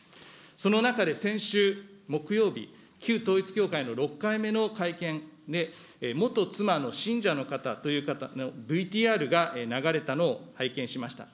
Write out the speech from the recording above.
その中で先週木曜日、旧統一教会の６回目の会見で、元妻の信者の方のＶＴＲが流れたのを拝見しました。